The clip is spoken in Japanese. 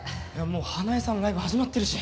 もう花枝さんのライブ始まってるし。